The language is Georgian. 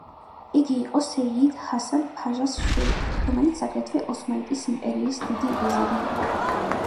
იგი იყო სეიიდ ჰასან-ფაშას ვაჟი, რომელიც აგრეთვე ოსმალეთის იმპერიის დიდი ვეზირი იყო.